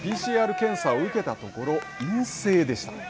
ＰＣＲ検査を受けたところ、陰性でした。